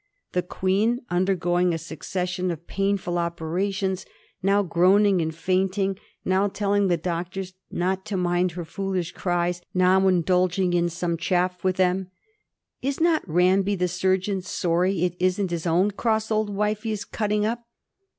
The Queen, under going a succession of painful operations; now groaning and fainting, now telling the doctors not to mind her fool ish cries; now indulging in some chaff with them — ''Is not Ranby [the surgeon] sorry it isn't his own cross old wife he is cutting up